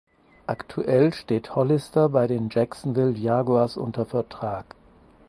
Aktuell steht Hollister bei den Jacksonville Jaguars unter Vertrag.